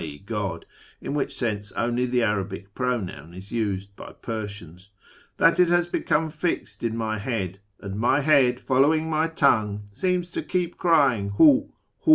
e. God ; in which sense only the Arabic pronoun is used by the Per ijians) " that it has become fixed in my head, and my head, following my tongue, seems to keep crying ' Hit,' ' Hu.'